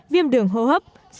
viêm đường hô hấp